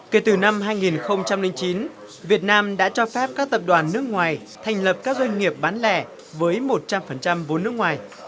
kể từ năm hai nghìn chín việt nam đã cho phép các tập đoàn nước ngoài thành lập các doanh nghiệp bán lẻ với một trăm linh vốn nước ngoài